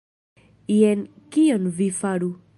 Jen kion vi faru.